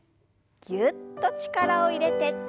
ぎゅっと力を入れて。